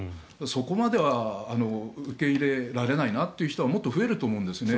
そこまでは受け入れられないなという人はもっと増えると思うんです。